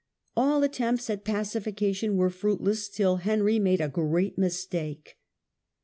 All attempts at pacification were fruitless, till Henry made a great mistake.